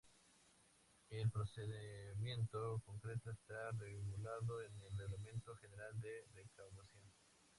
El procedimiento concreto está regulado en el Reglamento General de Recaudación.